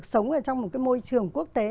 sống trong một cái môi trường quốc tế